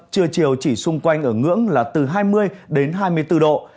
trưa chiều chỉ xung quanh ở ngưỡng là từ hai mươi đến hai mươi bốn độ